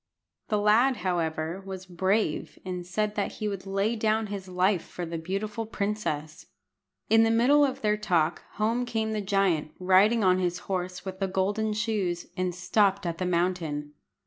The lad, however, was brave, and said that he would lay down his life for the beautiful princess. In the middle of their talk home came the giant, riding on his horse with the golden shoes, and stopped at the mountain.